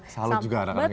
salud juga anak anak ini ya